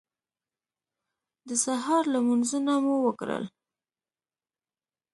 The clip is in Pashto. د سهار لمونځونه مو وکړل.